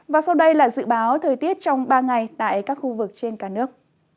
và sau đây là dự báo thời tiết trong ba ngày tại các khu vực trên cả nước